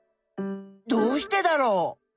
どうしてだろう？